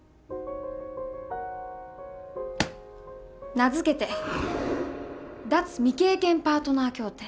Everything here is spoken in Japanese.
名付けて「脱・未経験パートナー協定」。